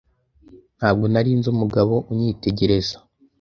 Ntabwo nari nzi umugabo unyitegereza.